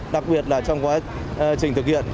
đặc biệt là trong quá trình thực hiện